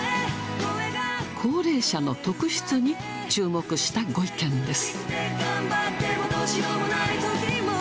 高齢者の特質に注目したご意見です。